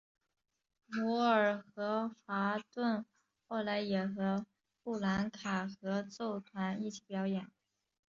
摩尔和戈顿后来也和布兰卡合奏团一起表演。